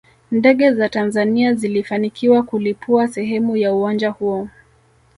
Ndege za Tanzania zilifanikiwa kulipua sehemu ya uwanja huo